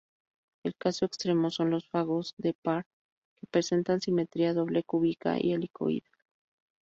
El caso extremo son los fagos "T-par" que presentan simetría doble, cúbica y helicoidal.